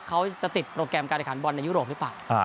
เขาจะติดโปรแกรมการแข่งขันบอลในยุโรปหรือเปล่า